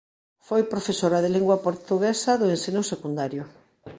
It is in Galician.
Foi profesora de Lingua Portuguesa do ensino secundario.